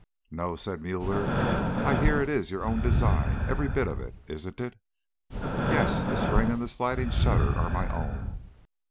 "No," said Müller. "I hear it is your own design, every bit of it, isn't it?" "Yes, the spring and the sliding shutter are my own."